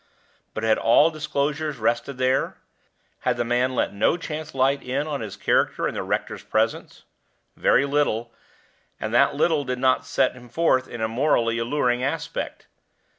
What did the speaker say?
But had all disclosures rested there? Had the man let no chance light in on his character in the rector's presence? Very little; and that little did not set him forth in a morally alluring aspect.